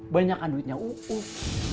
banyakan duitnya uuk